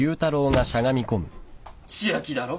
千秋だろ？